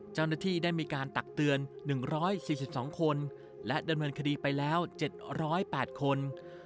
เจ้าหน้าที่ได้มีการตักเตือน๑๔๒คนและดำเนินคดีไปแล้ว๗๐๘คน